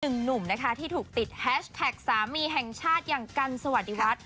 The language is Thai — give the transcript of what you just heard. หนุ่มนะคะที่ถูกติดแฮชแท็กสามีแห่งชาติอย่างกันสวัสดีวัฒน์